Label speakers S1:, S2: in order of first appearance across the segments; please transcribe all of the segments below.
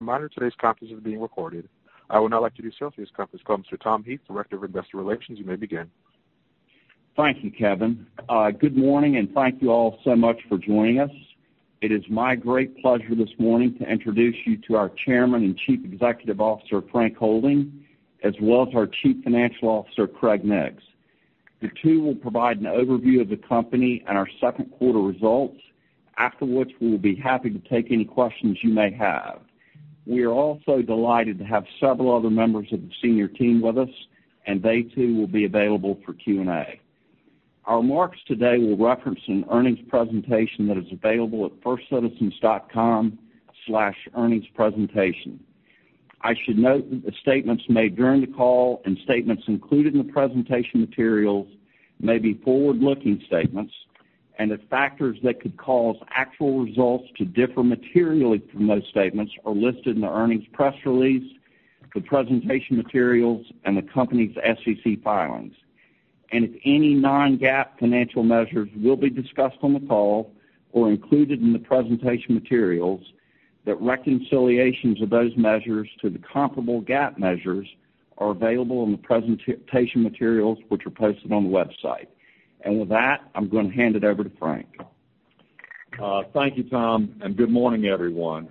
S1: Reminder, today's conference is being recorded. I would now like to introduce First Citizens conference call, Mr. Tom Heath, Director of Investor Relations. You may begin.
S2: Thank you, Kevin. Good morning, and thank you all so much for joining us. It is my great pleasure this morning to introduce you to our Chairman and Chief Executive Officer, Frank Holding, as well as our Chief Financial Officer, Craig Nix. The two will provide an overview of the company and our second quarter results. Afterwards, we will be happy to take any questions you may have. We are also delighted to have several other members of the senior team with us, and they, too, will be available for Q&A. Our remarks today will reference an earnings presentation that is available at firstcitizens.com/earningspresentation. I should note that the statements made during the call and statements included in the presentation materials may be forward-looking statements, and the factors that could cause actual results to differ materially from those statements are listed in the earnings press release, the presentation materials, and the company's SEC filings. And if any non-GAAP financial measures will be discussed on the call or included in the presentation materials, that reconciliations of those measures to the comparable GAAP measures are available in the presentation materials, which are posted on the website. And with that, I'm going to hand it over to Frank.
S3: Thank you, Tom, and good morning, everyone.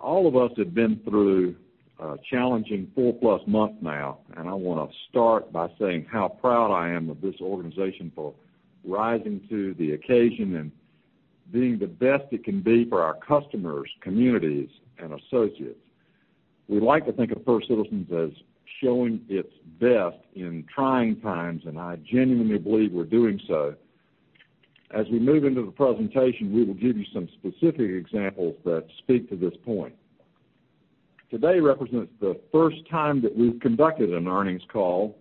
S3: All of us have been through a challenging four-plus months now, and I wanna start by saying how proud I am of this organization for rising to the occasion and being the best it can be for our customers, communities, and associates. We like to think of First Citizens as showing its best in trying times, and I genuinely believe we're doing so. As we move into the presentation, we will give you some specific examples that speak to this point. Today represents the first time that we've conducted an earnings call.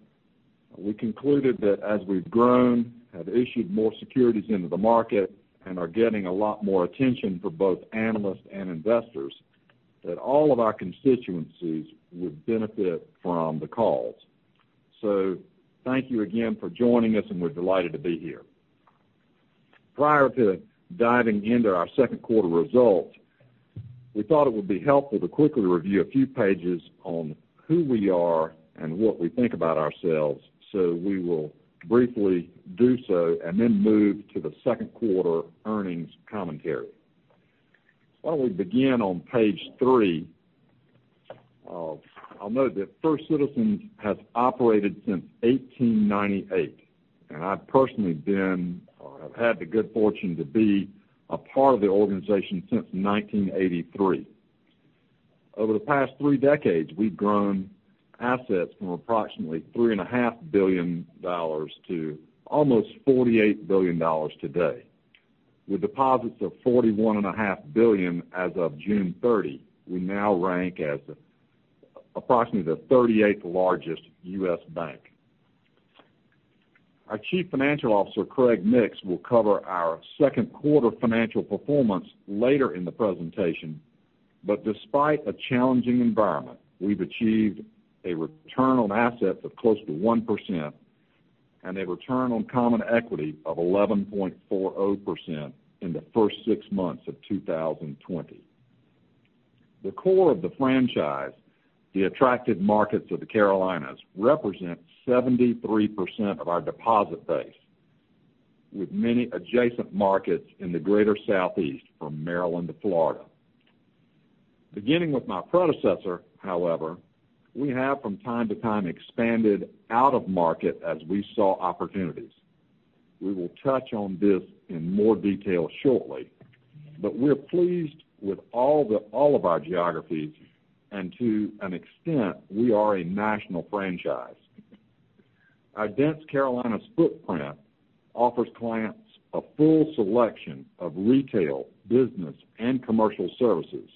S3: We concluded that as we've grown, have issued more securities into the market, and are getting a lot more attention from both analysts and investors, that all of our constituencies would benefit from the calls. So thank you again for joining us, and we're delighted to be here. Prior to diving into our second quarter results, we thought it would be helpful to quickly review a few pages on who we are and what we think about ourselves, so we will briefly do so, and then move to the second quarter earnings commentary. Why don't we begin on page three? I'll note that First Citizens has operated since eighteen ninety-eight, and I've personally been, or I've had the good fortune to be a part of the organization since nineteen eighty-three. Over the past three decades, we've grown assets from approximately $3.5 billion to almost $48 billion today. With deposits of $41.5 billion as of June thirty, we now rank as approximately the 38th largest U.S. bank. Our Chief Financial Officer, Craig Nix, will cover our second quarter financial performance later in the presentation, but despite a challenging environment, we've achieved a return on assets of close to 1% and a return on common equity of 11.40% in the first six months of 2020. The core of the franchise, the attractive markets of the Carolinas, represent 73% of our deposit base, with many adjacent markets in the greater Southeast, from Maryland to Florida. Beginning with my predecessor, however, we have from time to time expanded out of market as we saw opportunities. We will touch on this in more detail shortly, but we're pleased with all of our geographies, and to an extent, we are a national franchise. Our dense Carolinas footprint offers clients a full selection of retail, business, and commercial services.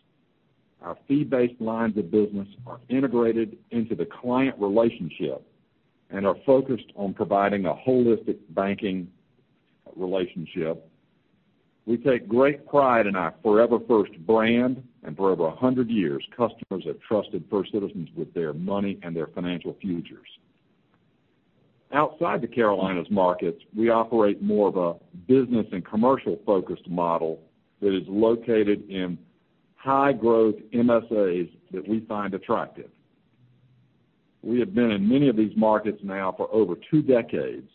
S3: Our fee-based lines of business are integrated into the client relationship and are focused on providing a holistic banking relationship. We take great pride in our Forever First brand, and for over a hundred years, customers have trusted First Citizens with their money and their financial futures. Outside the Carolinas markets, we operate more of a business and commercial-focused model that is located in high-growth MSAs that we find attractive. We have been in many of these markets now for over two decades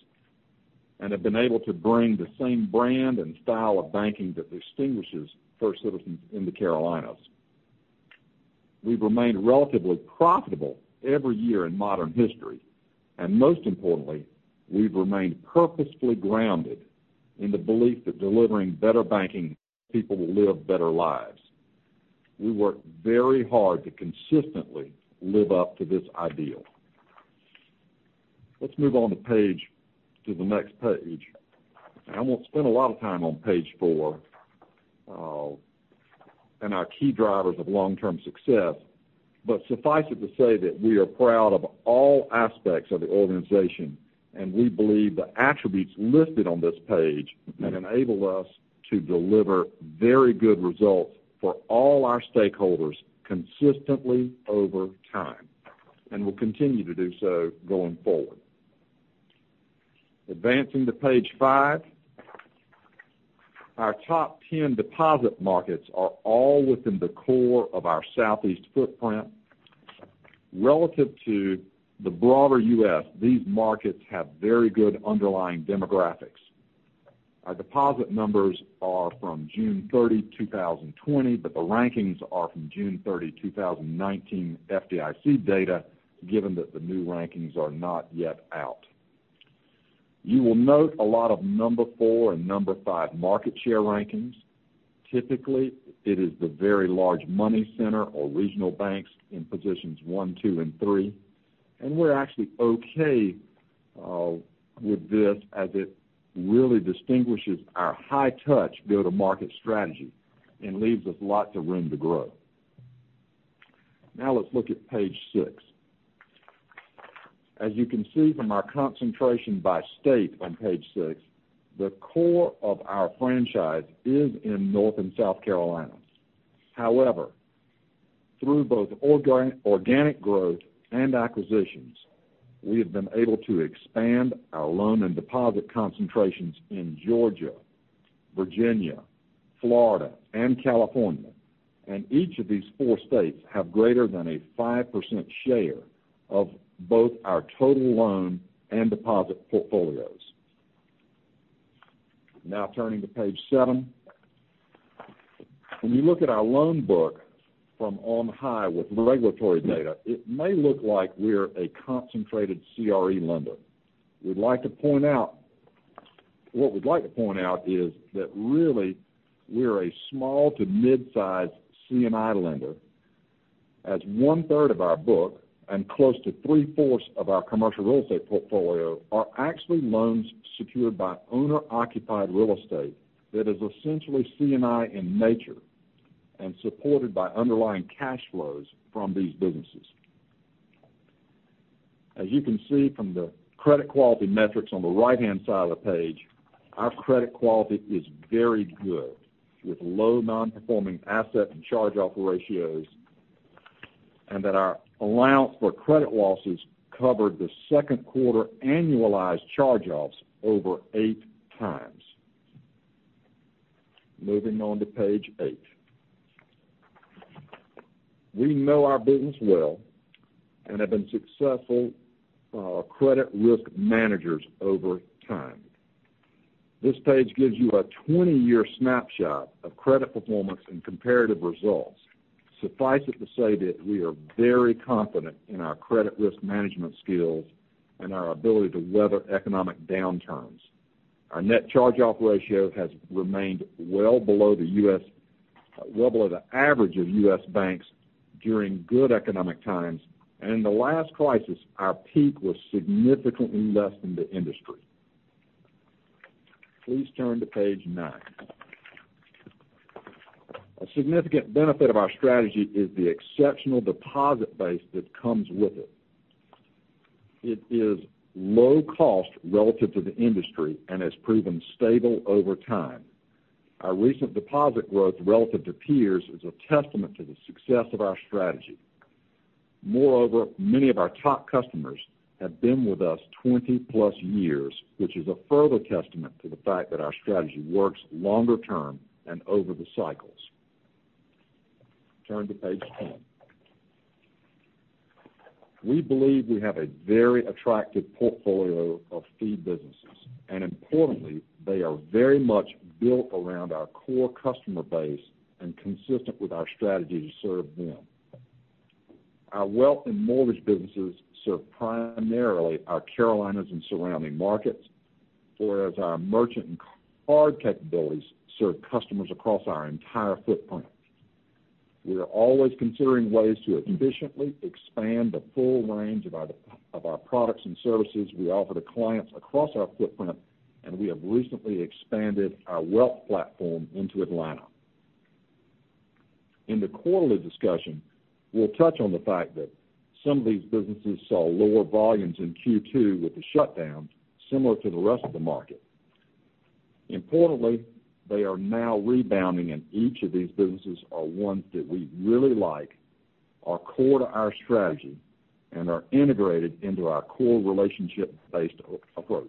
S3: and have been able to bring the same brand and style of banking that distinguishes First Citizens in the Carolinas. We've remained relatively profitable every year in modern history, and most importantly, we've remained purposefully grounded in the belief that delivering better banking, people will live better lives. We work very hard to consistently live up to this ideal. Let's move on to the next page. I won't spend a lot of time on page four and our key drivers of long-term success, but suffice it to say that we are proud of all aspects of the organization, and we believe the attributes listed on this page have enabled us to deliver very good results for all our stakeholders consistently over time, and will continue to do so going forward. Advancing to page five. Our top 10 deposit markets are all within the core of our Southeast footprint. Relative to the broader U.S., these markets have very good underlying demographics. Our deposit numbers are from June 30, 2020, but the rankings are from June 30, 2019 FDIC data, given that the new rankings are not yet out. You will note a lot of number four and number five market share rankings. Typically, it is the very large money center or regional banks in positions one, two, and three, and we're actually okay with this as it really distinguishes our high touch, build-to-market strategy, and leaves us lots of room to grow. Now let's look at page six. As you can see from our concentration by state on page six, the core of our franchise is in North and South Carolina. However, through both organic growth and acquisitions, we have been able to expand our loan and deposit concentrations in Georgia, Virginia, Florida, and California, and each of these four states have greater than a 5% share of both our total loan and deposit portfolios. Now, turning to page seven. When you look at our loan book from on high with regulatory data, it may look like we're a concentrated CRE lender. We'd like to point out. What we'd like to point out is, that really, we're a small to mid-size C&I lender, as one-third of our book and close to three-fourths of our commercial real estate portfolio are actually loans secured by owner-occupied real estate that is essentially C&I in nature and supported by underlying cash flows from these businesses. As you can see from the credit quality metrics on the right-hand side of the page, our credit quality is very good, with low nonperforming asset and charge-off ratios, and that our allowance for credit losses covered the second quarter annualized charge-offs over eight times. Moving on to page eight. We know our business well and have been successful credit risk managers over time. This page gives you a twenty-year snapshot of credit performance and comparative results. Suffice it to say that we are very confident in our credit risk management skills and our ability to weather economic downturns. Our net charge-off ratio has remained well below the U.S., well below the average of U.S. banks during good economic times, and in the last crisis, our peak was significantly less than the industry. Please turn to page nine. A significant benefit of our strategy is the exceptional deposit base that comes with it. It is low cost relative to the industry and has proven stable over time. Our recent deposit growth relative to peers is a testament to the success of our strategy. Moreover, many of our top customers have been with us twenty-plus years, which is a further testament to the fact that our strategy works longer term and over the cycles. Turn to page ten. We believe we have a very attractive portfolio of fee businesses, and importantly, they are very much built around our core customer base and consistent with our strategy to serve them. Our wealth and mortgage businesses serve primarily our Carolinas and surrounding markets, whereas our merchant and card capabilities serve customers across our entire footprint. We are always considering ways to efficiently expand the full range of our products and services we offer to clients across our footprint, and we have recently expanded our wealth platform into Atlanta. In the quarterly discussion, we'll touch on the fact that some of these businesses saw lower volumes in Q2 with the shutdown, similar to the rest of the market. Importantly, they are now rebounding, and each of these businesses are ones that we really like, are core to our strategy, and are integrated into our core relationship-based approach.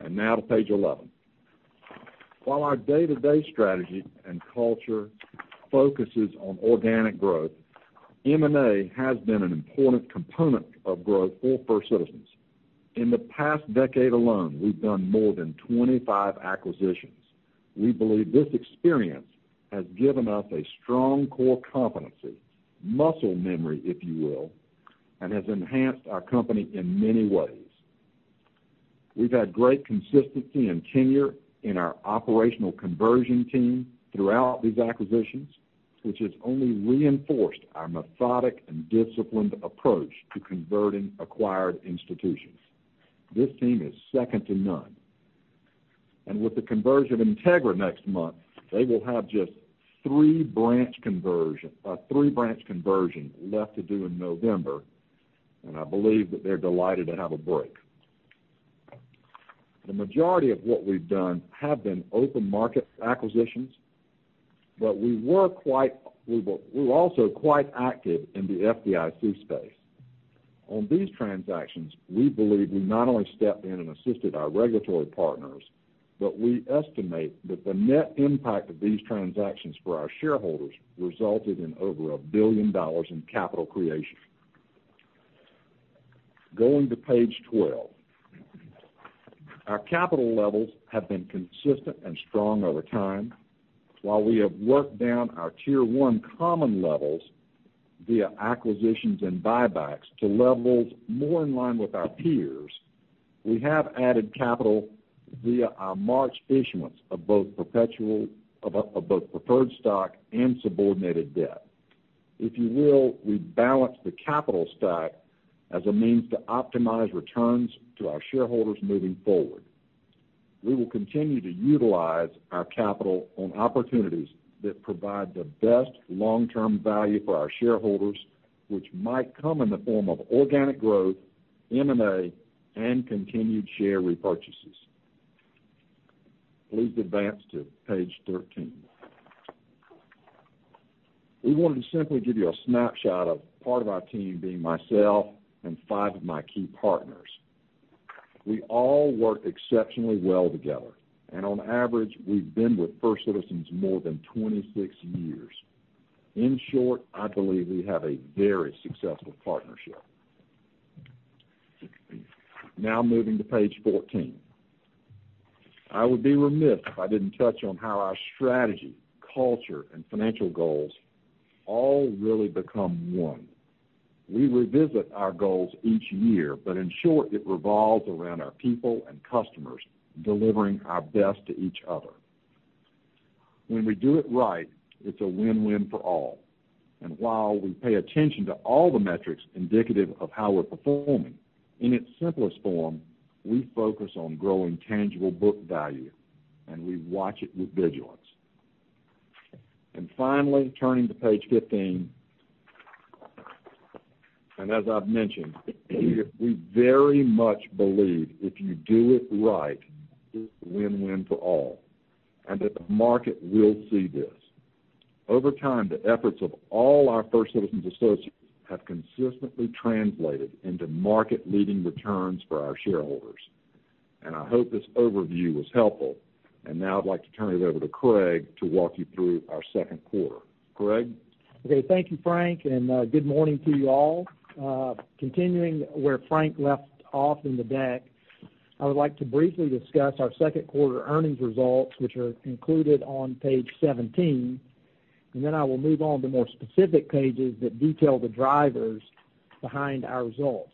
S3: And now to page 11. While our day-to-day strategy and culture focuses on organic growth, M&A has been an important component of growth for First Citizens. In the past decade alone, we've done more than 25 acquisitions. We believe this experience has given us a strong core competency, muscle memory, if you will, and has enhanced our company in many ways. We've had great consistency and tenure in our operational conversion team throughout these acquisitions, which has only reinforced our methodic and disciplined approach to converting acquired institutions. This team is second to none. With the conversion of Entegra next month, they will have just three branch conversions left to do in November, and I believe that they're delighted to have a break. The majority of what we've done have been open market acquisitions, but we were quite active in the FDIC space. On these transactions, we believe we not only stepped in and assisted our regulatory partners, but we estimate that the net impact of these transactions for our shareholders resulted in over $1 billion in capital creation. Going to page twelve. Our capital levels have been consistent and strong over time. While we have worked down our Tier 1 Common levels via acquisitions and buybacks to levels more in line with our peers, we have added capital via our March issuance of both preferred stock and subordinated debt. If you will, we balanced the capital stack as a means to optimize returns to our shareholders moving forward. We will continue to utilize our capital on opportunities that provide the best long-term value for our shareholders, which might come in the form of organic growth, M&A, and continued share repurchases. Please advance to page 13. We wanted to simply give you a snapshot of part of our team, being myself and 5 of my key partners. We all work exceptionally well together, and on average, we've been with First Citizens more than 26 years. In short, I believe we have a very successful partnership. Now moving to page fourteen. I would be remiss if I didn't touch on how our strategy, culture, and financial goals all really become one. We revisit our goals each year, but in short, it revolves around our people and customers delivering our best to each other. When we do it right, it's a win-win for all. And while we pay attention to all the metrics indicative of how we're performing, in its simplest form, we focus on growing tangible book value, and we watch it with vigilance. And finally, turning to page fifteen, and as I've mentioned, we, we very much believe if you do it right, it's a win-win for all, and that the market will see this. Over time, the efforts of all our First Citizens associates have consistently translated into market-leading returns for our shareholders. I hope this overview was helpful, and now I'd like to turn it over to Craig to walk you through our second quarter. Craig?
S4: Okay, thank you, Frank, and good morning to you all. Continuing where Frank left off in the deck, I would like to briefly discuss our second quarter earnings results, which are included on page 17, and then I will move on to more specific pages that detail the drivers behind our results.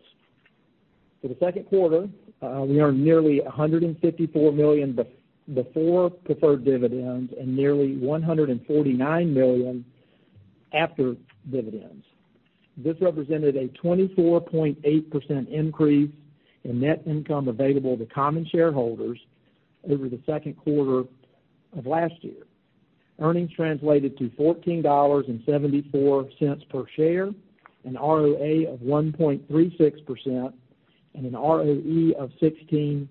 S4: For the second quarter, we earned nearly $154 million before preferred dividends and nearly $149 million after dividends. This represented a 24.8% increase in net income available to common shareholders over the second quarter of last year. Earnings translated to $14.74 per share, an ROA of 1.36%, and an ROE of 16.43%.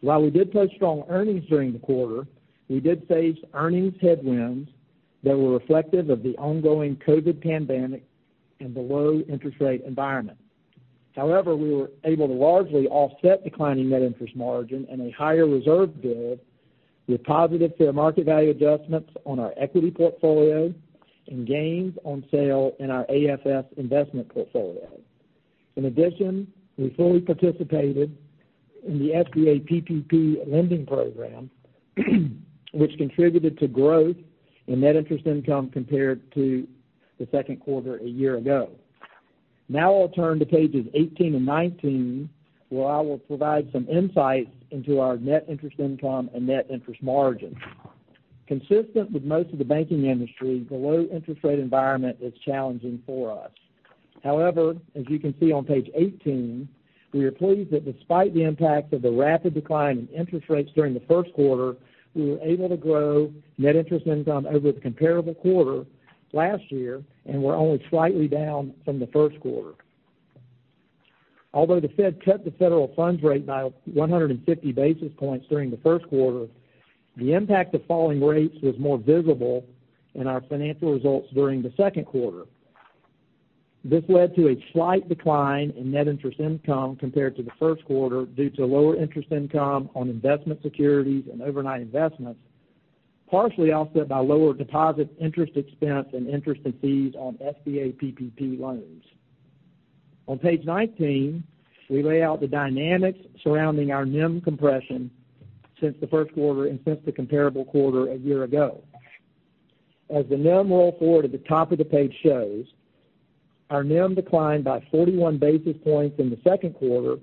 S4: While we did post strong earnings during the quarter, we did face earnings headwinds that were reflective of the ongoing COVID pandemic and the low interest rate environment. However, we were able to largely offset declining net interest margin and a higher reserve build with positive fair market value adjustments on our equity portfolio and gains on sale in our AFS investment portfolio. In addition, we fully participated in the SBA PPP lending program, which contributed to growth in net interest income compared to the second quarter a year ago. Now I'll turn to pages eighteen and nineteen, where I will provide some insights into our net interest income and net interest margin. Consistent with most of the banking industry, the low interest rate environment is challenging for us. However, as you can see on page 18, we are pleased that despite the impact of the rapid decline in interest rates during the first quarter, we were able to grow net interest income over the comparable quarter last year, and we're only slightly down from the first quarter. Although the Fed cut the federal funds rate by one hundred and fifty basis points during the first quarter, the impact of falling rates was more visible in our financial results during the second quarter. This led to a slight decline in net interest income compared to the first quarter, due to lower interest income on investment securities and overnight investments, partially offset by lower deposit interest expense and interest and fees on SBA PPP loans. On page 19, we lay out the dynamics surrounding our NIM compression since the first quarter and since the comparable quarter a year ago. As the NIM roll forward at the top of the page shows, our NIM declined by 41 basis points in the second quarter,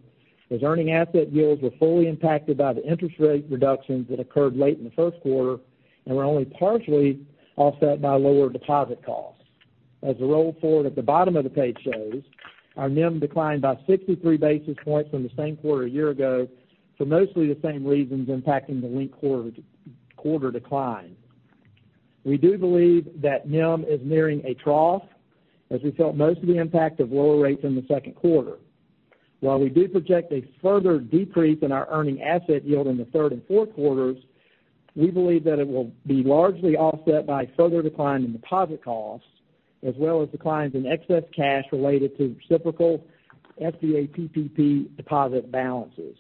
S4: as earning asset yields were fully impacted by the interest rate reductions that occurred late in the first quarter and were only partially offset by lower deposit costs. As the roll forward at the bottom of the page shows, our NIM declined by 63 basis points from the same quarter a year ago, for mostly the same reasons impacting the linked quarter, quarter decline.... We do believe that NIM is nearing a trough, as we felt most of the impact of lower rates in the second quarter. While we do project a further decrease in our earning asset yield in the third and fourth quarters, we believe that it will be largely offset by further decline in deposit costs, as well as declines in excess cash related to reciprocal SBA PPP deposit balances.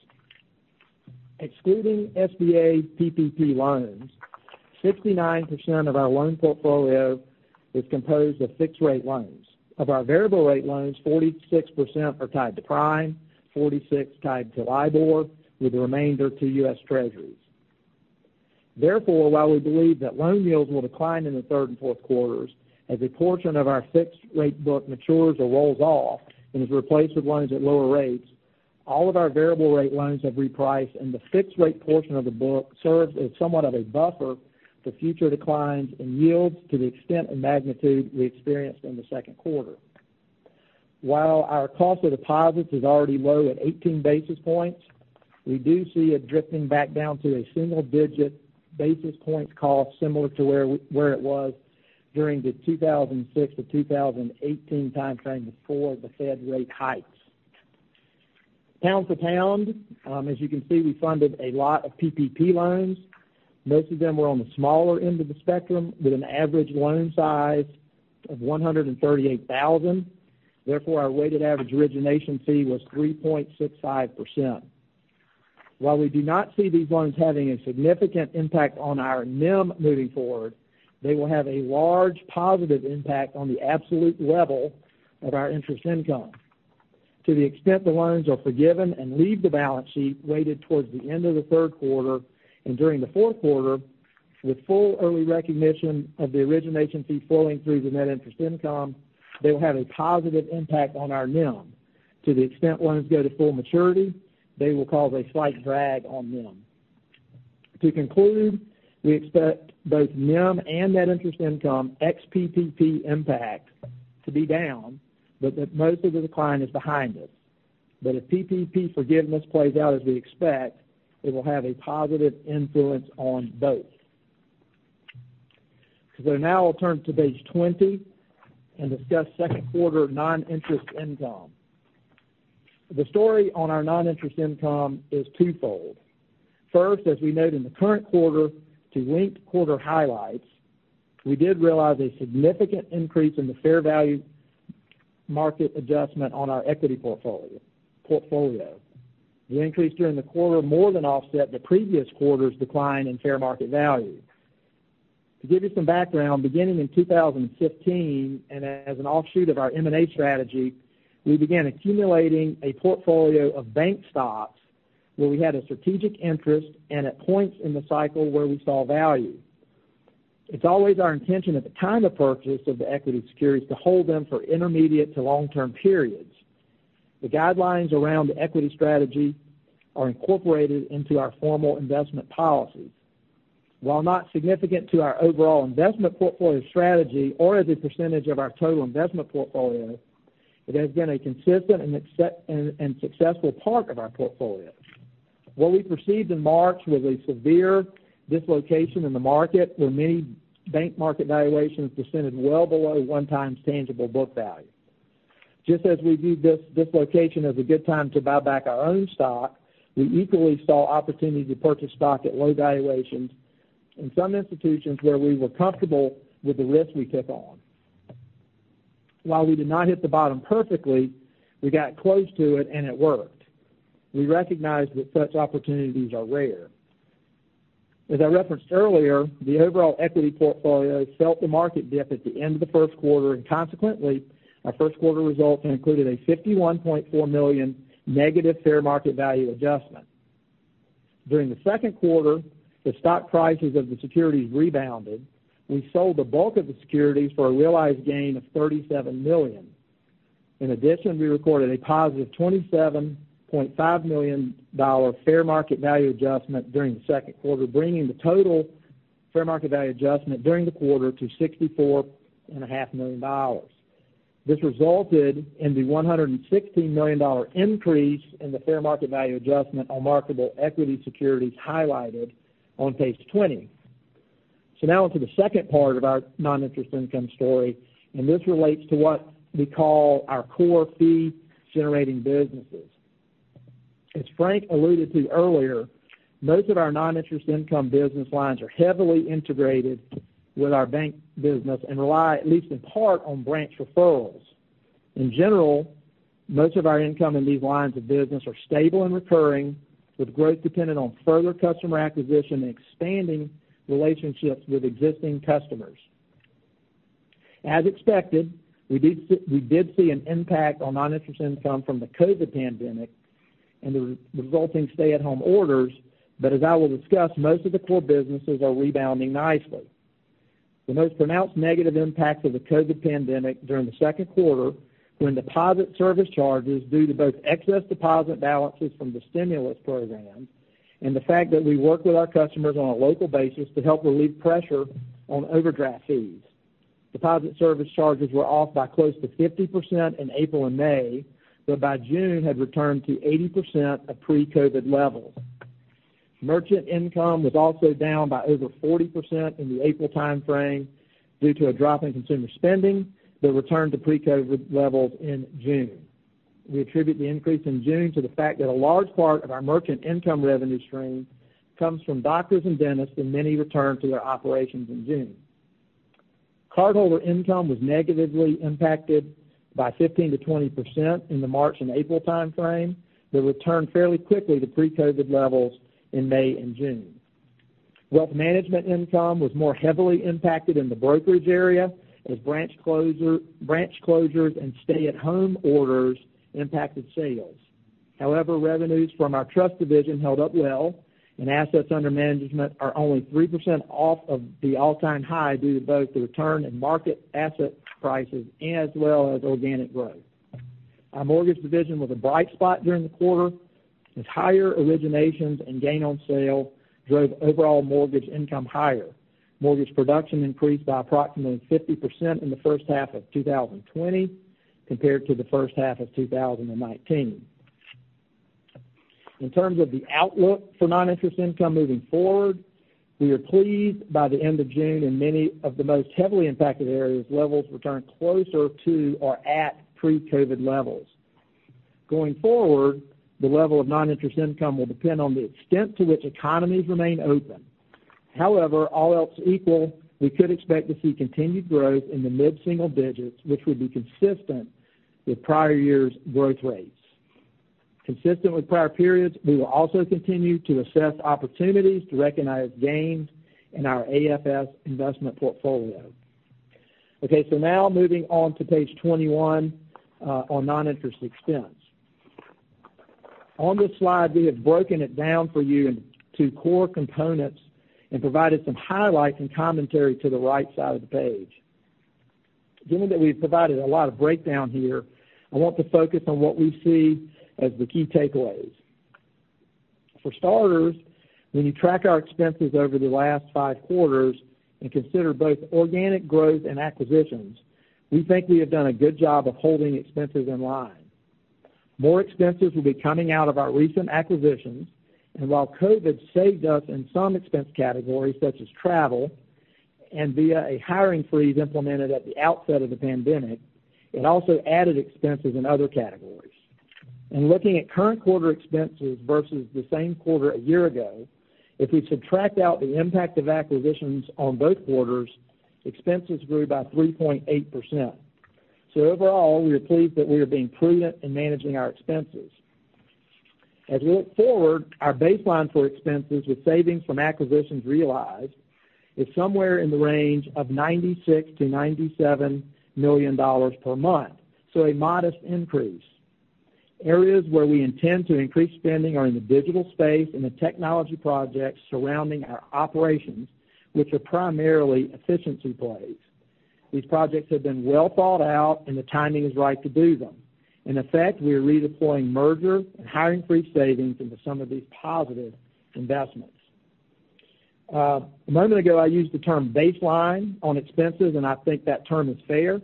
S4: Excluding SBA PPP loans, 69% of our loan portfolio is composed of fixed-rate loans. Of our variable-rate loans, 46% are tied to prime, 46 tied to LIBOR, with the remainder to U.S. Treasuries. Therefore, while we believe that loan yields will decline in the third and fourth quarters, as a portion of our fixed-rate book matures or rolls off and is replaced with loans at lower rates, all of our variable rate loans have repriced, and the fixed-rate portion of the book serves as somewhat of a buffer for future declines in yields to the extent and magnitude we experienced in the second quarter. While our cost of deposits is already low at eighteen basis points, we do see it drifting back down to a single-digit basis points cost, similar to where it was during the 2006 to 2018 time frame, before the Fed rate hikes. Point to point, as you can see, we funded a lot of PPP loans. Most of them were on the smaller end of the spectrum, with an average loan size of $138,000. Therefore, our weighted average origination fee was 3.65%. While we do not see these loans having a significant impact on our NIM moving forward, they will have a large positive impact on the absolute level of our interest income. To the extent the loans are forgiven and leave the balance sheet weighted towards the end of the third quarter and during the fourth quarter, with full early recognition of the origination fee flowing through the net interest income, they will have a positive impact on our NIM. To the extent loans go to full maturity, they will cause a slight drag on NIM. To conclude, we expect both NIM and net interest income, ex-PPP impact, to be down, but that most of the decline is behind us, but if PPP forgiveness plays out as we expect, it will have a positive influence on both, so now I'll turn to page 20 and discuss second quarter non-interest income. The story on our non-interest income is twofold. First, as we noted in the current quarter, to linked quarter highlights, we did realize a significant increase in the fair value market adjustment on our equity portfolio. The increase during the quarter more than offset the previous quarter's decline in fair market value. To give you some background, beginning in two thousand and fifteen, and as an offshoot of our M&A strategy, we began accumulating a portfolio of bank stocks where we had a strategic interest and at points in the cycle where we saw value. It's always our intention at the time of purchase of the equity securities to hold them for intermediate to long-term periods. The guidelines around the equity strategy are incorporated into our formal investment policies. While not significant to our overall investment portfolio strategy or as a percentage of our total investment portfolio, it has been a consistent and successful part of our portfolio. What we perceived in March was a severe dislocation in the market, where many bank market valuations descended well below one times tangible book value. Just as we viewed this dislocation as a good time to buy back our own stock, we equally saw opportunity to purchase stock at low valuations in some institutions where we were comfortable with the risk we took on. While we did not hit the bottom perfectly, we got close to it, and it worked. We recognize that such opportunities are rare. As I referenced earlier, the overall equity portfolio felt the market dip at the end of the first quarter, and consequently, our first quarter results included a $51.4 million negative fair market value adjustment. During the second quarter, the stock prices of the securities rebounded. We sold the bulk of the securities for a realized gain of $37 million. In addition, we recorded a positive $27.5 million fair market value adjustment during the second quarter, bringing the total fair market value adjustment during the quarter to $64.5 million. This resulted in the $116 million increase in the fair market value adjustment on marketable equity securities highlighted on page 20. So now on to the second part of our non-interest income story, and this relates to what we call our core fee-generating businesses. As Frank alluded to earlier, most of our non-interest income business lines are heavily integrated with our bank business and rely, at least in part, on branch referrals. In general, most of our income in these lines of business are stable and recurring, with growth dependent on further customer acquisition and expanding relationships with existing customers. As expected, we did see an impact on non-interest income from the COVID pandemic and the resulting stay-at-home orders, but as I will discuss, most of the core businesses are rebounding nicely. The most pronounced negative impacts of the COVID pandemic during the second quarter were in deposit service charges, due to both excess deposit balances from the stimulus program and the fact that we worked with our customers on a local basis to help relieve pressure on overdraft fees. Deposit service charges were off by close to 50% in April and May, but by June, had returned to 80% of pre-COVID levels. Merchant income was also down by over 40% in the April timeframe, due to a drop in consumer spending, but returned to pre-COVID levels in June. We attribute the increase in June to the fact that a large part of our merchant income revenue stream comes from doctors and dentists, and many returned to their operations in June. Cardholder income was negatively impacted by 15%-20% in the March and April timeframe, but returned fairly quickly to pre-COVID levels in May and June. Wealth management income was more heavily impacted in the brokerage area, as branch closures and stay-at-home orders impacted sales. However, revenues from our trust division held up well, and assets under management are only 3% off of the all-time high, due to both the return in market asset prices and as well as organic growth. Our mortgage division was a bright spot during the quarter, as higher originations and gain on sale drove overall mortgage income higher. Mortgage production increased by approximately 50% in the first half of 2020, compared to the first half of 2019. In terms of the outlook for non-interest income moving forward, we are pleased by the end of June, in many of the most heavily impacted areas, levels returned closer to or at pre-COVID levels. Going forward, the level of non-interest income will depend on the extent to which economies remain open. However, all else equal, we could expect to see continued growth in the mid-single digits, which would be consistent with prior years' growth rates. Consistent with prior periods, we will also continue to assess opportunities to recognize gains in our AFS investment portfolio. Okay, so now moving on to page twenty-one, on non-interest expense. On this slide, we have broken it down for you into core components and provided some highlights and commentary to the right side of the page. Given that we've provided a lot of breakdown here, I want to focus on what we see as the key takeaways. For starters, when you track our expenses over the last five quarters and consider both organic growth and acquisitions, we think we have done a good job of holding expenses in line. More expenses will be coming out of our recent acquisitions, and while COVID saved us in some expense categories, such as travel, and via a hiring freeze implemented at the outset of the pandemic, it also added expenses in other categories. In looking at current quarter expenses versus the same quarter a year ago, if we subtract out the impact of acquisitions on both quarters, expenses grew by 3.8%. So overall, we are pleased that we are being prudent in managing our expenses. As we look forward, our baseline for expenses with savings from acquisitions realized, is somewhere in the range of $96 million-$97 million per month, so a modest increase. Areas where we intend to increase spending are in the digital space and the technology projects surrounding our operations, which are primarily efficiency plays. These projects have been well thought out, and the timing is right to do them. In effect, we are redeploying merger and hiring freeze savings into some of these positive investments. A moment ago, I used the term baseline on expenses, and I think that term is fair.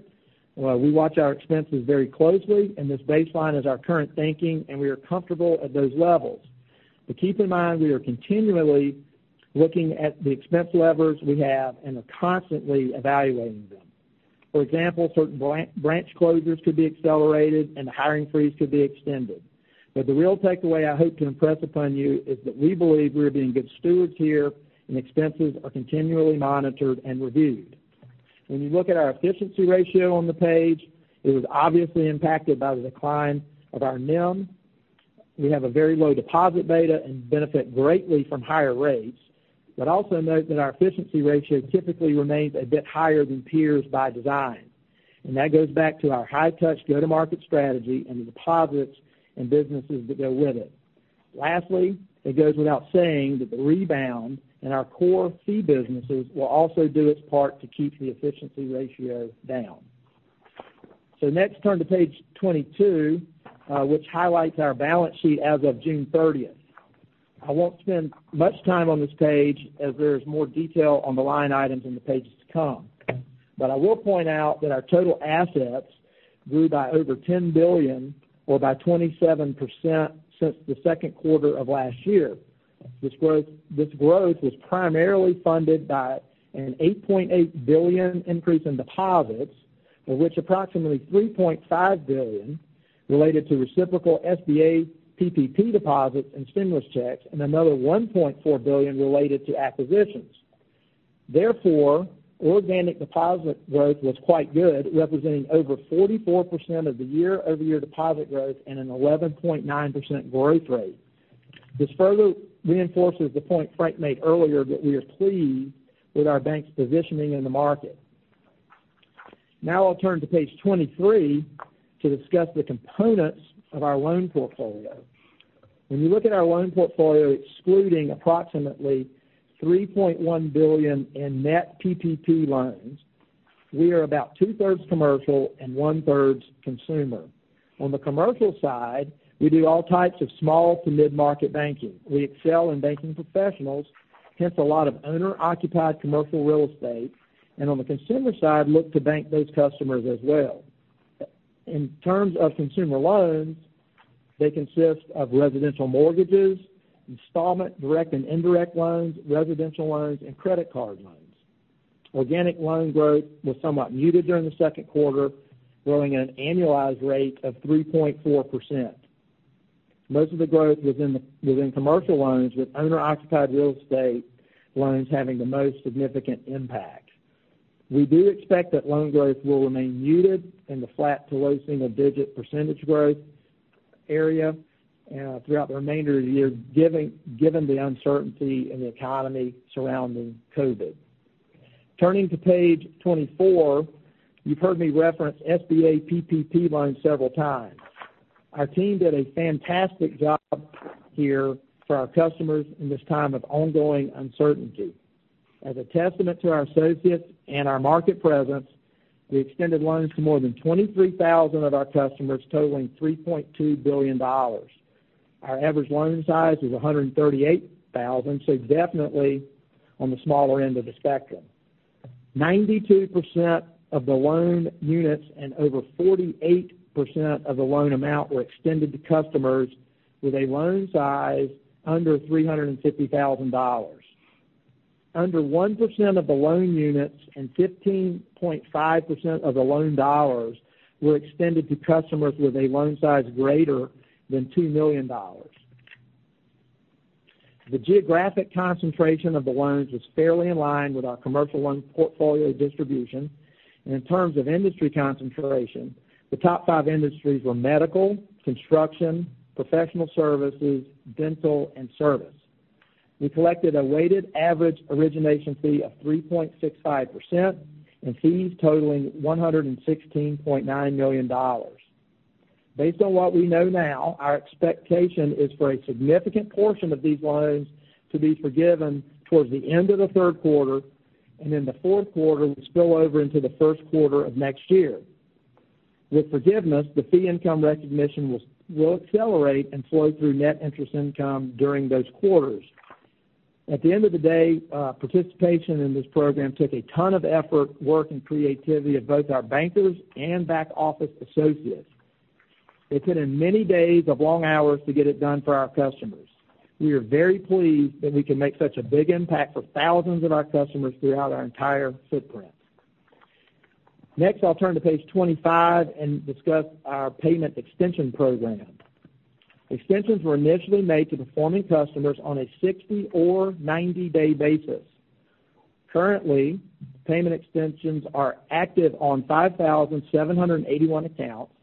S4: We watch our expenses very closely, and this baseline is our current thinking, and we are comfortable at those levels. But keep in mind, we are continually looking at the expense levers we have and are constantly evaluating them. For example, certain branch closures could be accelerated, and the hiring freeze could be extended. But the real takeaway I hope to impress upon you is that we believe we are being good stewards here, and expenses are continually monitored and reviewed. When you look at our efficiency ratio on the page, it was obviously impacted by the decline of our NIM. We have a very low deposit beta and benefit greatly from higher rates, but also note that our efficiency ratio typically remains a bit higher than peers by design. And that goes back to our high-touch, go-to-market strategy and the deposits and businesses that go with it. Lastly, it goes without saying that the rebound in our core fee businesses will also do its part to keep the efficiency ratio down. So next, turn to page 22, which highlights our balance sheet as of June thirtieth. I won't spend much time on this page, as there is more detail on the line items in the pages to come. But I will point out that our total assets grew by over $10 billion, or by 27%, since the second quarter of last year. This growth, this growth was primarily funded by an $8.8 billion increase in deposits, of which approximately $3.5 billion related to reciprocal SBA PPP deposits and stimulus checks, and another $1.4 billion related to acquisitions. Therefore, organic deposit growth was quite good, representing over 44% of the year-over-year deposit growth and an 11.9% growth rate. This further reinforces the point Frank made earlier, that we are pleased with our bank's positioning in the market. Now I'll turn to page 23 to discuss the components of our loan portfolio. When you look at our loan portfolio, excluding approximately $3.1 billion in net PPP loans, we are about two-thirds commercial and one-third consumer. On the commercial side, we do all types of small to mid-market banking. We excel in banking professionals, hence a lot of owner-occupied commercial real estate, and on the consumer side, look to bank those customers as well. In terms of consumer loans, they consist of residential mortgages, installment, direct and indirect loans, residential loans, and credit card loans. Organic loan growth was somewhat muted during the second quarter, growing at an annualized rate of 3.4%. Most of the growth was in commercial loans, with owner-occupied real estate loans having the most significant impact. We do expect that loan growth will remain muted in the flat to low single-digit % growth area throughout the remainder of the year, given the uncertainty in the economy surrounding COVID. Turning to page 24, you've heard me reference SBA PPP loans several times. Our team did a fantastic job here for our customers in this time of ongoing uncertainty. As a testament to our associates and our market presence, we extended loans to more than 23,000 of our customers, totaling $3.2 billion. Our average loan size is 138,000, so definitely on the smaller end of the spectrum. 92% of the loan units and over 48% of the loan amount were extended to customers with a loan size under 350,000. Under 1% of the loan units and 15.5% of the loan dollars were extended to customers with a loan size greater than $2 million. The geographic concentration of the loans was fairly in line with our commercial loan portfolio distribution, and in terms of industry concentration, the top five industries were medical, construction, professional services, dental, and service. We collected a weighted average origination fee of 3.65% and fees totaling $116.9 million. Based on what we know now, our expectation is for a significant portion of these loans to be forgiven toward the end of the third quarter, and in the fourth quarter will spill over into the first quarter of next year. With forgiveness, the fee income recognition will accelerate and flow through net interest income during those quarters. At the end of the day, participation in this program took a ton of effort, work, and creativity of both our bankers and back office associates. It's been many days of long hours to get it done for our customers. We are very pleased that we can make such a big impact for thousands of our customers throughout our entire footprint. Next, I'll turn to page 25 and discuss our payment extension program. Extensions were initially made to performing customers on a 60- or 90-day basis. Currently, payment extensions are active on 5,781 accounts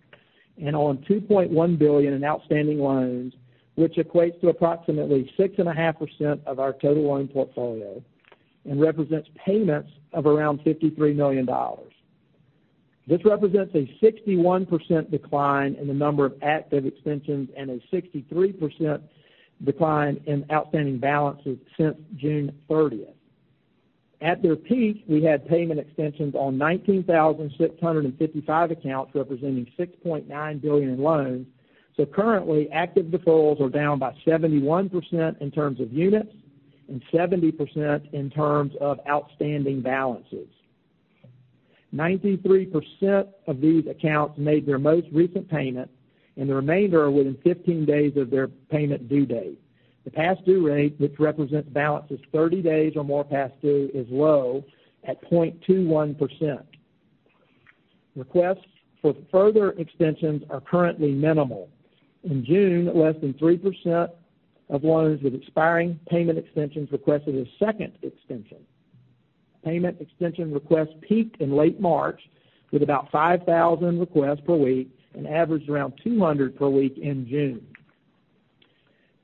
S4: and on $2.1 billion in outstanding loans, which equates to approximately 6.5% of our total loan portfolio and represents payments of around $53 million. This represents a 61% decline in the number of active extensions and a 63% decline in outstanding balances since June thirtieth. At their peak, we had payment extensions on 19,655 accounts, representing $6.9 billion in loans. So currently, active deferrals are down by 71% in terms of units and 70% in terms of outstanding balances. 93% of these accounts made their most recent payment, and the remainder are within 15 days of their payment due date. The past due rate, which represents balances 30 days or more past due, is low at 0.21%. Requests for further extensions are currently minimal. In June, less than 3% of loans with expiring payment extensions requested a second extension. Payment extension requests peaked in late March, with about 5,000 requests per week and averaged around 200 per week in June.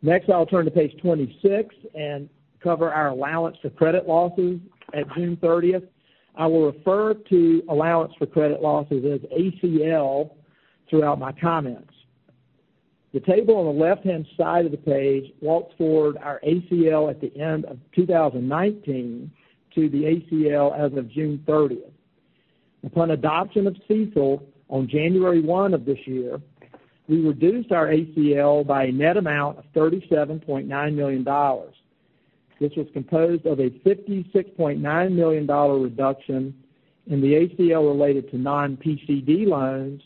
S4: Next, I'll turn to page 26 and cover our allowance for credit losses at June thirtieth. I will refer to allowance for credit losses as ACL throughout my comments. The table on the left-hand side of the page walks forward our ACL at the end of 2019 to the ACL as of June thirtieth. Upon adoption of CECL on January 1 of this year, we reduced our ACL by a net amount of $37.9 million. This was composed of a $56.9 million reduction in the ACL related to non-PCD loans,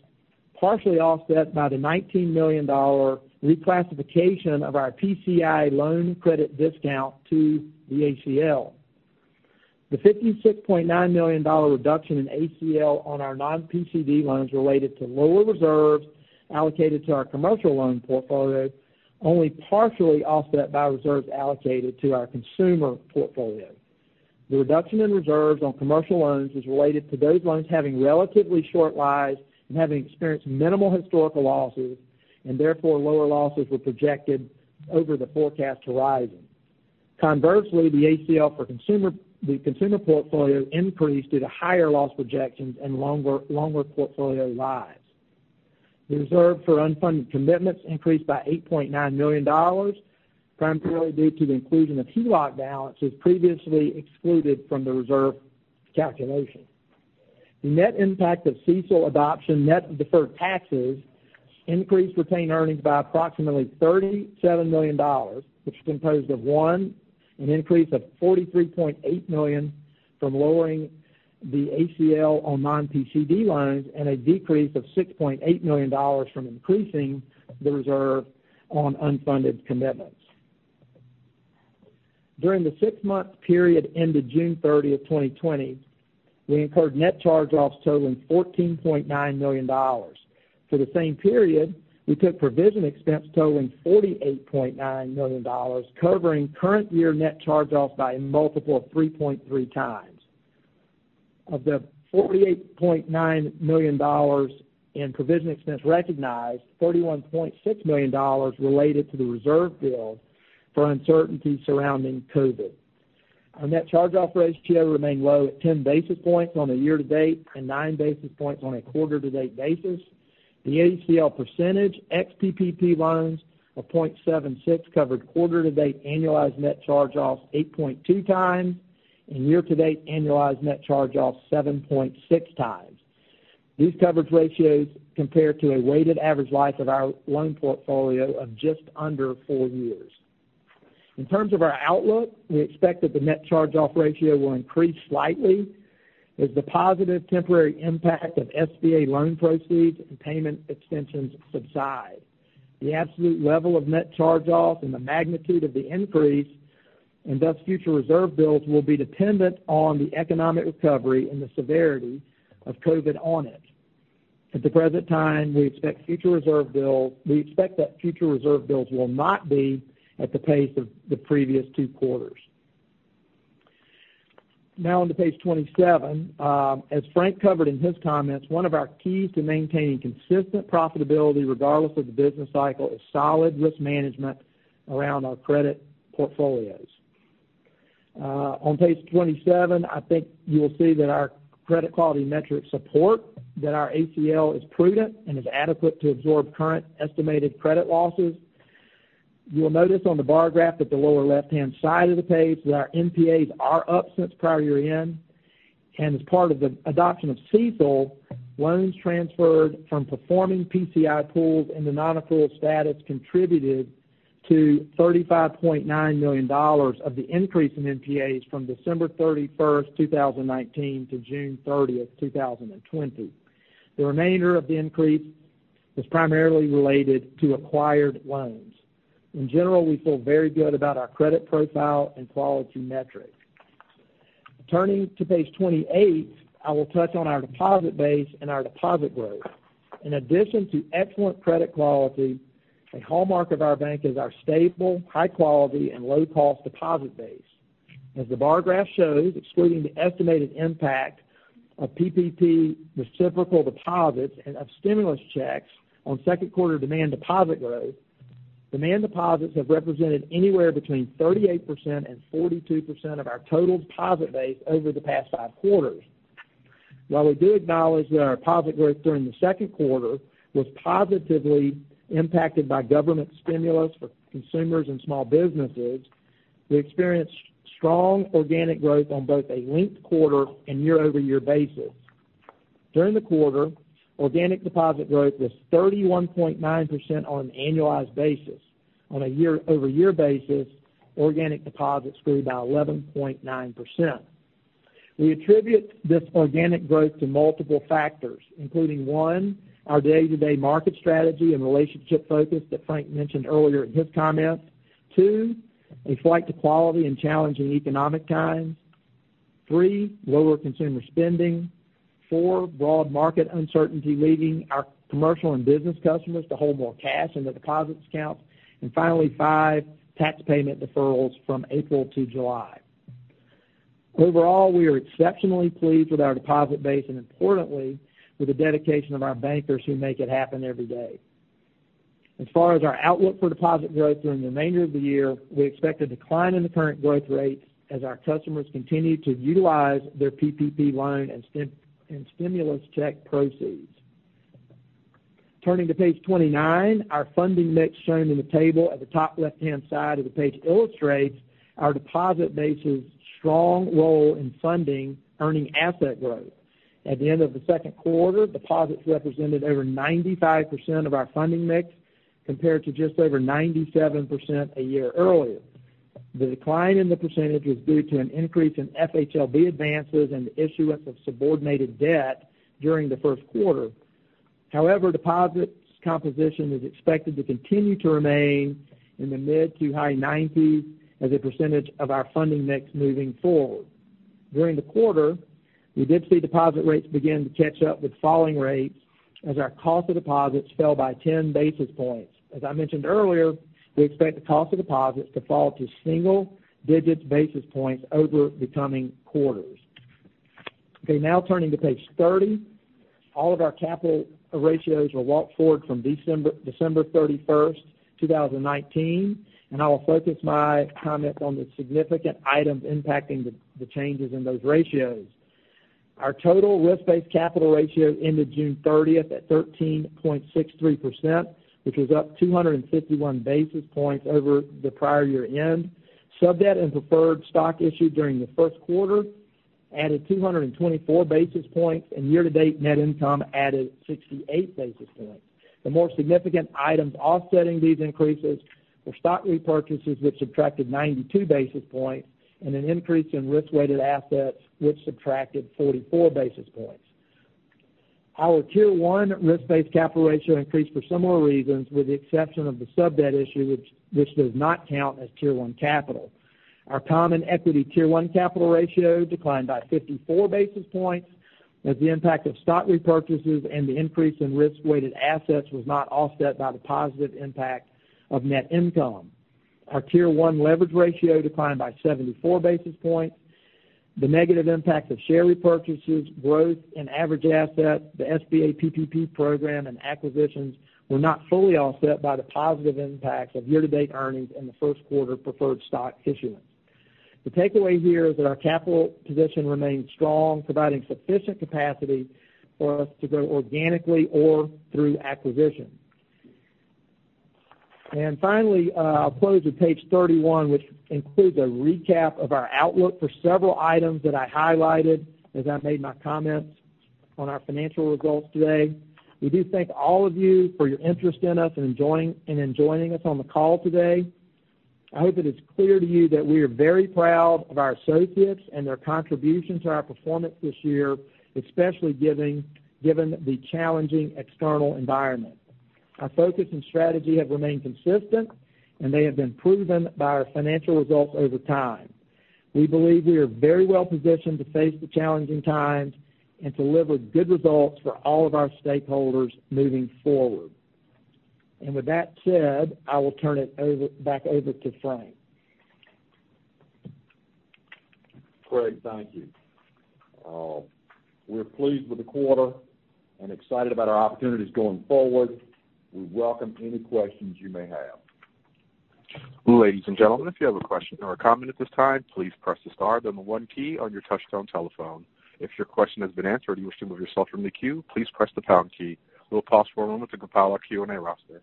S4: partially offset by the $19 million reclassification of our PCI loan credit discount to the ACL. The $56.9 million reduction in ACL on our non-PCD loans related to lower reserves allocated to our commercial loan portfolio, only partially offset by reserves allocated to our consumer portfolio. The reduction in reserves on commercial loans is related to those loans having relatively short lives and having experienced minimal historical losses, and therefore lower losses were projected over the forecast horizon. Conversely, the ACL for consumer the consumer portfolio increased due to higher loss projections and longer portfolio lives. The reserve for unfunded commitments increased by $8.9 million, primarily due to the inclusion of HELOC balances previously excluded from the reserve calculation. The net impact of CECL adoption, net of deferred taxes, increased retained earnings by approximately $37 million, which is composed of, one, an increase of $43.8 million from lowering the ACL on non-PCD loans, and a decrease of $6.8 million from increasing the reserve on unfunded commitments. During the six-month period ended June thirtieth, 2020, we incurred net charge-offs totaling $14.9 million. For the same period, we took provision expense totaling $48.9 million, covering current year net charge-offs by a multiple of 3.3 times. Of the $48.9 million in provision expense recognized, $31.6 million related to the reserve build for uncertainty surrounding COVID. Our net charge-off ratio remained low at 10 basis points on a year-to-date and nine basis points on a quarter-to-date basis. The ACL percentage, ex-PPP loans, of 0.76%, covered quarter-to-date annualized net charge-offs 8.2 times, and year-to-date annualized net charge-offs 7.6 times. These coverage ratios compare to a weighted average life of our loan portfolio of just under four years. In terms of our outlook, we expect that the net charge-off ratio will increase slightly as the positive temporary impact of SBA loan proceeds and payment extensions subside. The absolute level of net charge-offs and the magnitude of the increase, and thus future reserve builds, will be dependent on the economic recovery and the severity of COVID on it. At the present time, we expect future reserve builds. We expect that future reserve builds will not be at the pace of the previous two quarters. Now on to page 27. As Frank covered in his comments, one of our keys to maintaining consistent profitability, regardless of the business cycle, is solid risk management around our credit portfolios. On page 27, I think you will see that our credit quality metrics support that our ACL is prudent and is adequate to absorb current estimated credit losses. You will notice on the bar graph at the lower left-hand side of the page that our NPAs are up since prior year-end. And as part of the adoption of CECL, loans transferred from performing PCI pools into non-accrual status contributed to $35.9 million of the increase in NPAs from December 31, 2019, to June 30, 2020. The remainder of the increase was primarily related to acquired loans. In general, we feel very good about our credit profile and quality metrics. Turning to page 28, I will touch on our deposit base and our deposit growth. In addition to excellent credit quality, a hallmark of our bank is our stable, high quality, and low-cost deposit base. As the bar graph shows, excluding the estimated impact of PPP reciprocal deposits and of stimulus checks on second quarter demand deposit growth, demand deposits have represented anywhere between 38% and 42% of our total deposit base over the past five quarters. While we do acknowledge that our deposit growth during the second quarter was positively impacted by government stimulus for consumers and small businesses, we experienced strong organic growth on both a linked quarter and year-over-year basis. During the quarter, organic deposit growth was 31.9% on an annualized basis. On a year-over-year basis, organic deposits grew by 11.9%. We attribute this organic growth to multiple factors, including, one, our day-to-day market strategy and relationship focus that Frank mentioned earlier in his comments. Two, a flight to quality in challenging economic times. Three, lower consumer spending. Four, broad market uncertainty, leading our commercial and business customers to hold more cash in their deposit accounts. And finally, five, tax payment deferrals from April to July. Overall, we are exceptionally pleased with our deposit base, and importantly, with the dedication of our bankers who make it happen every day. As far as our outlook for deposit growth during the remainder of the year, we expect a decline in the current growth rate as our customers continue to utilize their PPP loan and stimulus check proceeds. Turning to page 29, our funding mix, shown in the table at the top left-hand side of the page, illustrates our deposit base's strong role in funding earning asset growth. At the end of the second quarter, deposits represented over 95% of our funding mix, compared to just over 97% a year earlier. The decline in the percentage was due to an increase in FHLB advances and the issuance of subordinated debt during the first quarter. However, deposits composition is expected to continue to remain in the mid to high nineties as a percentage of our funding mix moving forward. During the quarter, we did see deposit rates begin to catch up with falling rates as our cost of deposits fell by 10 basis points. As I mentioned earlier, we expect the cost of deposits to fall to single digits basis points over the coming quarters. Okay, now turning to page 30, all of our capital ratios are walked forward from December, December 31, 2019, and I will focus my comments on the significant items impacting the changes in those ratios. Our total risk-based capital ratio ended June 30 at 13.63%, which was up 251 basis points over the prior year end. Sub-debt and preferred stock issued during the first quarter added 224 basis points, and year-to-date net income added 68 basis points. The more significant items offsetting these increases were stock repurchases, which subtracted 92 basis points, and an increase in risk-weighted assets, which subtracted 44 basis points. Our Tier One risk-based capital ratio increased for similar reasons, with the exception of the sub-debt issue, which does not count as Tier One capital. Our Common Equity Tier 1 capital ratio declined by 54 basis points, as the impact of stock repurchases and the increase in risk-weighted assets was not offset by the positive impact of net income. Our Tier 1 leverage ratio declined by 74 basis points. The negative impact of share repurchases, growth, and average assets, the SBA PPP program, and acquisitions were not fully offset by the positive impacts of year-to-date earnings in the first quarter preferred stock issuance. The takeaway here is that our capital position remains strong, providing sufficient capacity for us to grow organically or through acquisition. And finally, I'll close with page 31, which includes a recap of our outlook for several items that I highlighted as I made my comments on our financial results today. We do thank all of you for your interest in us and joining us on the call today. I hope it is clear to you that we are very proud of our associates and their contribution to our performance this year, especially given the challenging external environment. Our focus and strategy have remained consistent, and they have been proven by our financial results over time. We believe we are very well positioned to face the challenging times and deliver good results for all of our stakeholders moving forward. And with that said, I will turn it over to Frank.
S3: Craig, thank you. We're pleased with the quarter and excited about our opportunities going forward. We welcome any questions you may have.
S1: Ladies and gentlemen, if you have a question or a comment at this time, please press the star then the one key on your touchtone telephone. If your question has been answered and you wish to remove yourself from the queue, please press the pound key. We'll pause for a moment to compile our Q&A roster.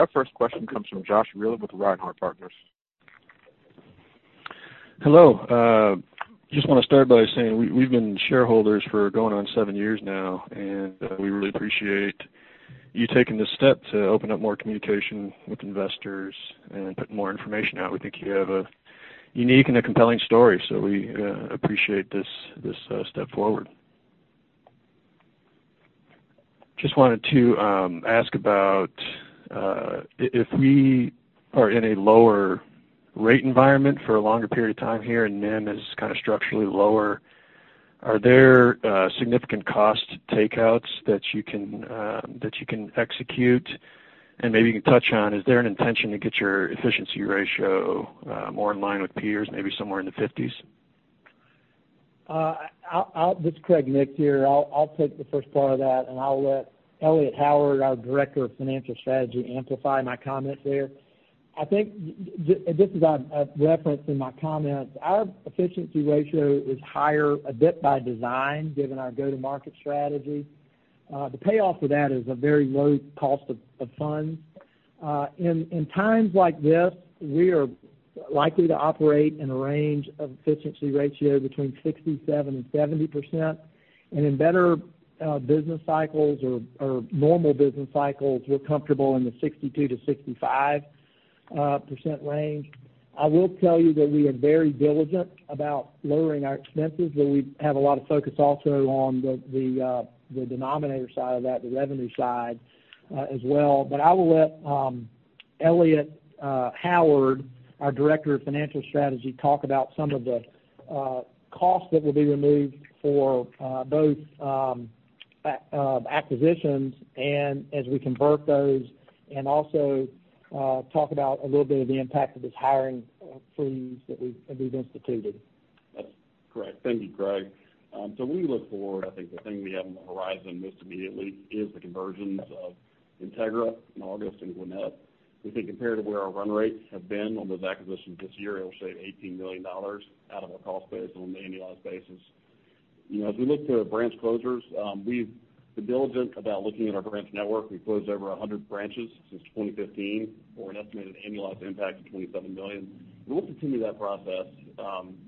S1: Our first question comes from Josh Reitler with Reinhart Partners.
S5: Hello. Just want to start by saying we've been shareholders for going on seven years now, and we really appreciate you taking this step to open up more communication with investors and put more information out. We think you have a unique and a compelling story, so we appreciate this step forward. Just wanted to ask about if we are in a lower rate environment for a longer period of time here, and NIM is kind of structurally lower, are there significant cost takeouts that you can execute? And maybe you can touch on, is there an intention to get your efficiency ratio more in line with peers, maybe somewhere in the fifties?
S4: This is Craig Nix here. I'll take the first part of that, and I'll let Elliot Howard, our Director of Financial Strategy, amplify my comment there. I think just as I've referenced in my comments, our efficiency ratio is higher, a bit by design, given our go-to-market strategy. The payoff for that is a very low cost of funds. In times like this, we are likely to operate in a range of efficiency ratio between 67% and 70%. In better business cycles or normal business cycles, we're comfortable in the 62% to 65% range. I will tell you that we are very diligent about lowering our expenses, but we have a lot of focus also on the denominator side of that, the revenue side, as well. But I will let Elliot Howard, our Director of Financial Strategy, talk about some of the costs that will be removed for both acquisitions, and as we convert those, and also talk about a little bit of the impact of this hiring freeze that we've instituted.
S6: That's correct. Thank you, Craig. So we look forward, I think the thing we have on the horizon, most immediately, is the conversions of Entegra in August and Gwinnett. We think compared to where our run rates have been on those acquisitions this year, it'll save $18 million out of our cost base on an annualized basis. You know, as we look to branch closures, we've been diligent about looking at our branch network. We've closed over 100 branches since 2015, for an estimated annualized impact of $27 million. And we'll continue that process,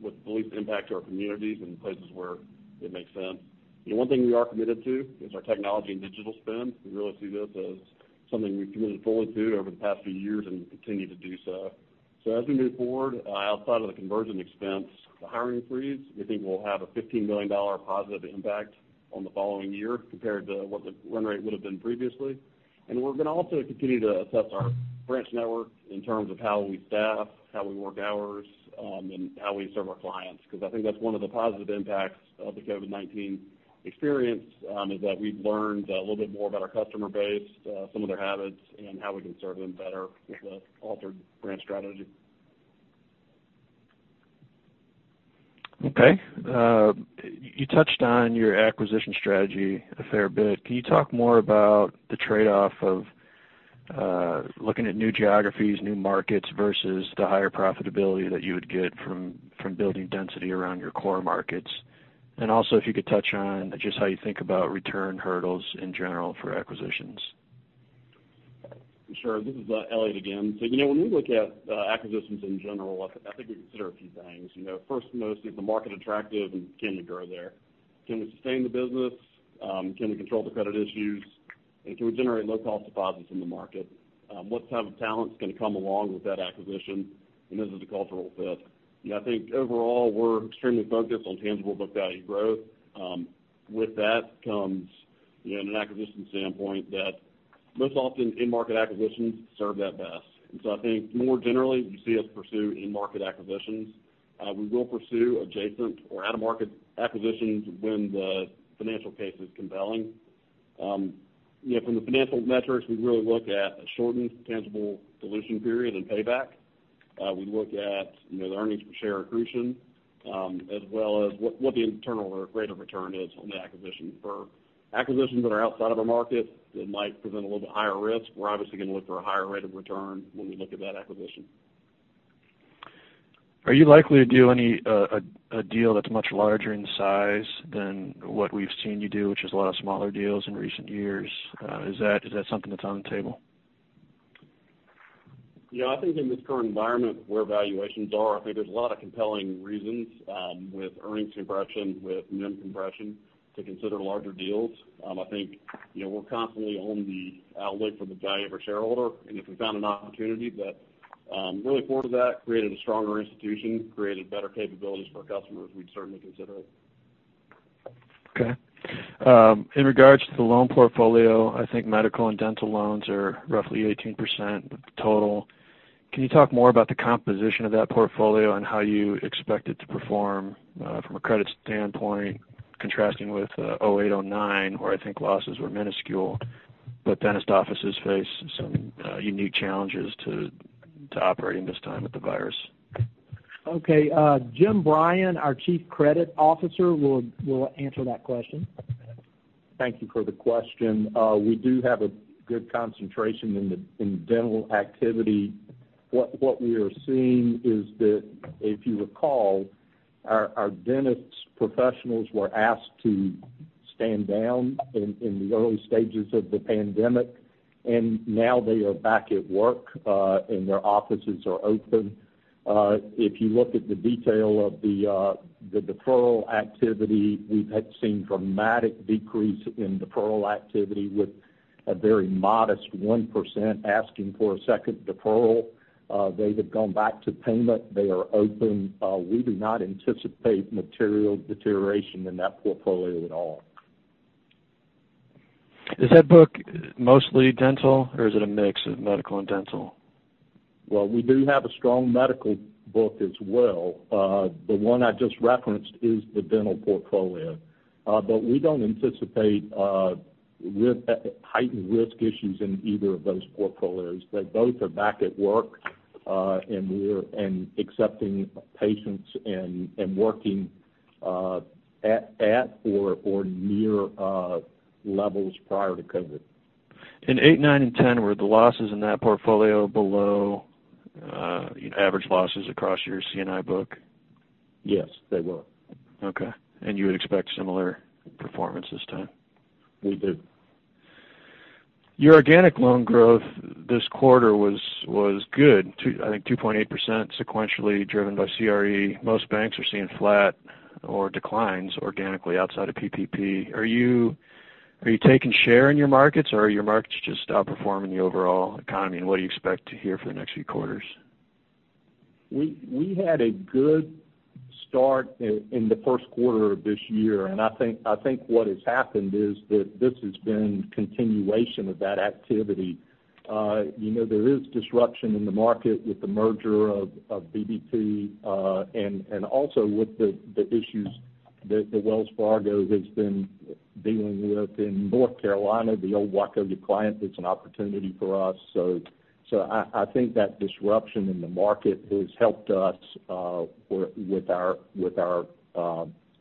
S6: with the least impact to our communities and places where it makes sense. The one thing we are committed to is our technology and digital spend. We really see this as something we've committed fully to over the past few years and continue to do so. So as we move forward, outside of the conversion expense, the hiring freeze, we think will have a $15 million positive impact on the following year compared to what the run rate would have been previously. And we're going to also continue to assess our branch network in terms of how we staff, how we work hours, and how we serve our clients, because I think that's one of the positive impacts of the COVID-19 experience, is that we've learned a little bit more about our customer base, some of their habits, and how we can serve them better with the altered branch strategy. ...
S5: Okay. You touched on your acquisition strategy a fair bit. Can you talk more about the trade-off of looking at new geographies, new markets, versus the higher profitability that you would get from building density around your core markets? And also, if you could touch on just how you think about return hurdles in general for acquisitions.
S6: Sure. This is, Elliot again. So, you know, when we look at, acquisitions in general, I, I think we consider a few things. You know, first and mostly, is the market attractive, and can you grow there? Can we sustain the business? Can we control the credit issues? Can we generate low-cost deposits in the market? What type of talent is going to come along with that acquisition? And this is a cultural fit. You know, I think overall, we're extremely focused on Tangible Book Value growth. With that comes, in an acquisition standpoint, that most often in-market acquisitions serve that best. And so I think more generally, you see us pursue in-market acquisitions. We will pursue adjacent or out-of-market acquisitions when the financial case is compelling. You know, from the financial metrics, we really look at a shortened tangible dilution period and payback. We look at, you know, the earnings per share accretion, as well as what the internal rate of return is on the acquisition. For acquisitions that are outside of our market, that might present a little bit higher risk. We're obviously going to look for a higher rate of return when we look at that acquisition.
S5: Are you likely to do any deal that's much larger in size than what we've seen you do, which is a lot of smaller deals in recent years? Is that something that's on the table?
S6: Yeah, I think in this current environment, where valuations are, I think there's a lot of compelling reasons with earnings compression, with NIM compression, to consider larger deals. I think, you know, we're constantly on the lookout for the value for our shareholders, and if we found an opportunity that we really look forward to that created a stronger institution, created better capabilities for our customers, we'd certainly consider it.
S5: Okay. In regards to the loan portfolio, I think medical and dental loans are roughly 18% of the total. Can you talk more about the composition of that portfolio and how you expect it to perform from a credit standpoint, contrasting with 2008, 2009, where I think losses were minuscule, but dentist offices face some unique challenges to operating this time with the virus?
S4: Okay, Jim Bryan, our chief credit officer, will answer that question.
S7: Thank you for the question. We do have a good concentration in the dental activity. What we are seeing is that, if you recall, our dentist professionals were asked to stand down in the early stages of the pandemic, and now they are back at work, and their offices are open. If you look at the detail of the deferral activity, we have seen a dramatic decrease in deferral activity, with a very modest 1% asking for a second deferral. They have gone back to payment. They are open. We do not anticipate material deterioration in that portfolio at all.
S5: Is that book mostly dental, or is it a mix of medical and dental?
S7: We do have a strong medical book as well. The one I just referenced is the dental portfolio. But we don't anticipate heightened risk issues in either of those portfolios. But both are back at work and accepting patients and working at or near levels prior to COVID.
S5: In 2008, 2009, and 2010, were the losses in that portfolio below average losses across your C&I book?
S7: Yes, they were.
S5: Okay, and you would expect similar performance this time?
S7: We do.
S5: Your organic loan growth this quarter was good, I think 2.8% sequentially, driven by CRE. Most banks are seeing flat or declines organically outside of PPP. Are you taking share in your markets, or are your markets just outperforming the overall economy, and what do you expect to hear for the next few quarters?
S7: We had a good start in the first quarter of this year, and I think what has happened is that this has been continuation of that activity. You know, there is disruption in the market with the merger of BB&T, and also with the issues that Wells Fargo has been dealing with in North Carolina, the old Wachovia client. That's an opportunity for us. So I think that disruption in the market has helped us with our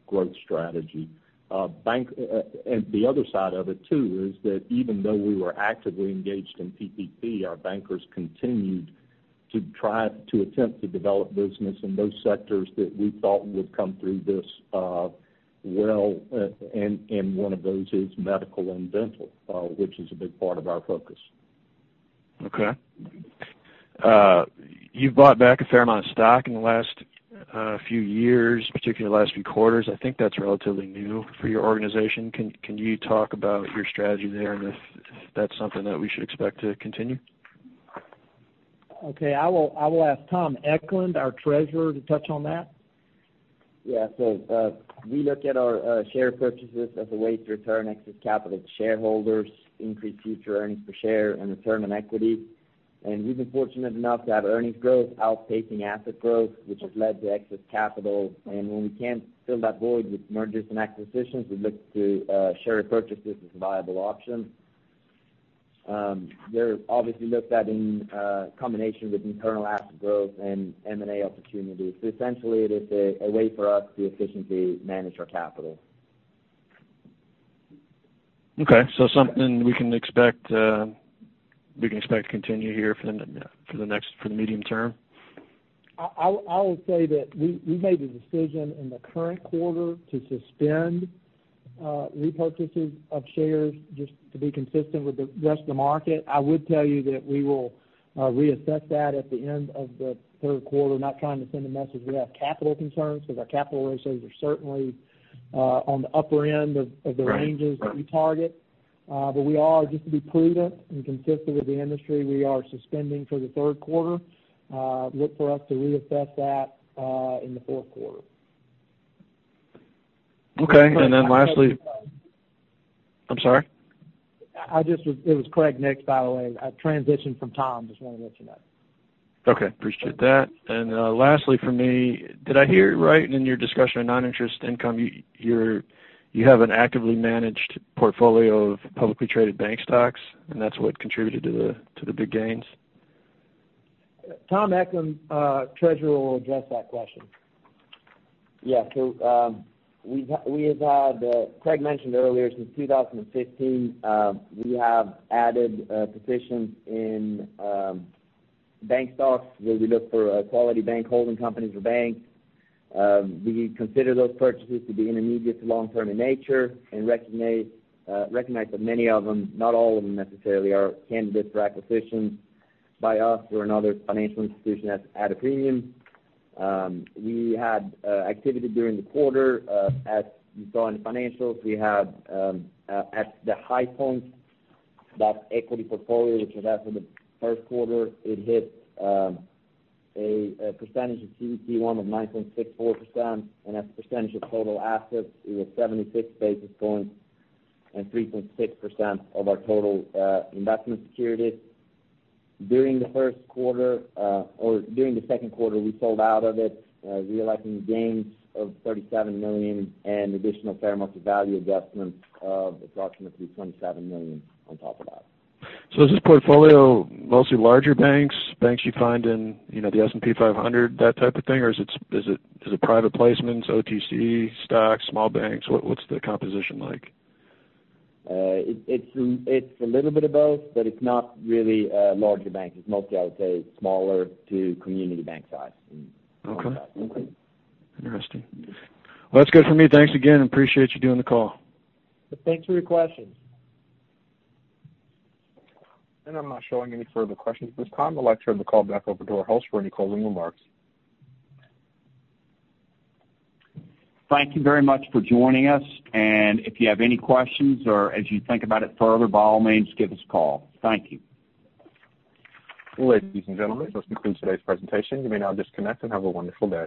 S7: growth strategy. and the other side of it, too, is that even though we were actively engaged in PPP, our bankers continued to try to attempt to develop business in those sectors that we thought would come through this well, and one of those is medical and dental, which is a big part of our focus.
S5: Okay. You've bought back a fair amount of stock in the last few years, particularly the last few quarters. I think that's relatively new for your organization. Can you talk about your strategy there and if that's something that we should expect to continue?
S4: Okay, I will, I will ask Tom Eklund, our treasurer, to touch on that.
S8: Yeah. So, we look at our share purchases as a way to return excess capital to shareholders, increase future earnings per share and return on equity. And we've been fortunate enough to have earnings growth outpacing asset growth, which has led to excess capital. And when we can't fill that void with mergers and acquisitions, we look to share purchases as a viable option. They're obviously looked at in combination with internal asset growth and M&A opportunities. So essentially, it is a way for us to efficiently manage our capital.
S5: Okay, so something we can expect to continue here for the medium term?
S4: I would say that we made the decision in the current quarter to suspend repurchases of shares, just to be consistent with the rest of the market. I would tell you that we will reassess that at the end of the third quarter. Not trying to send a message we have capital concerns, because our capital ratios are certainly on the upper end of the ranges.
S5: Right.
S4: -that we target, but we are, just to be prudent and consistent with the industry, we are suspending for the third quarter. Look for us to reassess that, in the fourth quarter.
S5: Okay, and then lastly - I'm sorry?
S4: It was Craig Nix, by the way. I transitioned from Tom, just wanted to let you know.
S5: Okay, appreciate that. And lastly for me, did I hear right in your discussion on non-interest income? You have an actively managed portfolio of publicly traded bank stocks, and that's what contributed to the big gains?
S4: Tom Eklund, Treasurer, will address that question.
S8: Yeah, so, we have had, Craig mentioned earlier, since two thousand and fifteen, we have added, positions in, bank stocks, where we look for, quality bank holding companies or banks. We consider those purchases to be intermediate to long-term in nature, and recognize that many of them, not all of them necessarily, are candidates for acquisition by us or another financial institution at a premium. We had activity during the quarter. As you saw in the financials, we had, at the high point, that equity portfolio, which we had for the first quarter, it hit a percentage of CET1 of 9.64%, and as a percentage of total assets, it was 76 basis points and 3.6% of our total investment securities. During the first quarter, or during the second quarter, we sold out of it, realizing gains of $37 million and additional fair market value adjustments of approximately $27 million on top of that.
S5: So is this portfolio mostly larger banks? Banks you find in, you know, the S&P 500, that type of thing? Or is it private placements, OTC stocks, small banks? What's the composition like?
S8: It's a little bit of both, but it's not really larger banks. It's mostly, I would say, smaller to community bank size and-
S5: Okay.
S8: Okay.
S5: Interesting. Well, that's good for me. Thanks again, appreciate you doing the call.
S4: Thanks for your questions.
S1: I'm not showing any further questions at this time. I'd like to turn the call back over to our host for any closing remarks.
S3: Thank you very much for joining us, and if you have any questions or as you think about it further, by all means, give us a call. Thank you.
S1: Ladies and gentlemen, this concludes today's presentation. You may now disconnect and have a wonderful day.